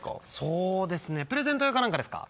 そうですねプレゼント用か何かですか？